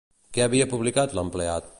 Què havia publicat l'empleat?